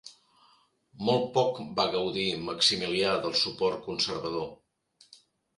Molt poc va gaudir Maximilià del suport conservador.